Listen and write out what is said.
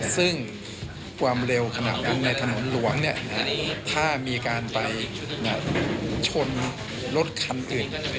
ซึ่งความเร็วขนาดนั้นในถนนหลวงถ้ามีการไปชนรถคันอื่น